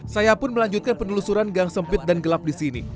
saya pun melanjutkan penelusuran gang sempit dan gelap di sini